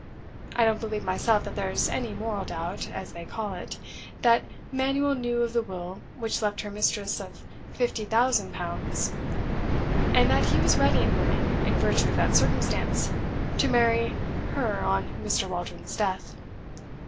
I don't believe myself that there's any moral doubt (as they call it) that Manuel knew of the will which left her mistress of fifty thousand pounds; and that he was ready and willing, in virtue of that circumstance, to marry her on Mr. Waldron's death.